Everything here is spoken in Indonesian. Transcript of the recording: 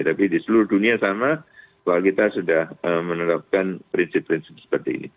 tapi di seluruh dunia sama bahwa kita sudah menerapkan prinsip prinsip seperti ini